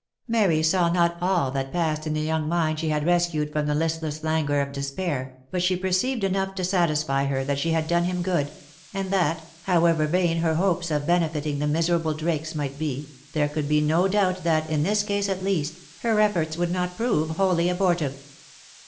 Mary saw not all that passed in the young mind she had rescued from the listless languor of despair, yet she perceived enough 194 THE LIFE AND ADVENTURES to satisfy her that she had done him good, and that, however vain her hopes of benefiting the miserable Drakes might be, there could be no doubt that, in this case at least, her efforts would net prove wholly abortive.